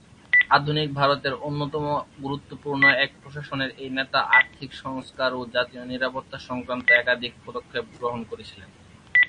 আধুনিক ভারতের অন্যতম গুরুত্বপূর্ণ এক প্রশাসনের এই নেতা আর্থিক সংস্কার ও জাতীয় নিরাপত্তা সংক্রান্ত একাধিক পদক্ষেপ গ্রহণ করেছিলেন।